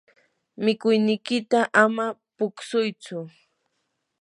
mikuynikiyta ama puksuytsu.